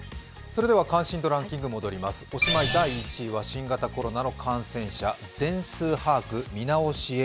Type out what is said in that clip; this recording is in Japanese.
それでは関心度ランキング戻ります、おしまい、第１位は新型コロナの感染者、全数把握、見直しへ。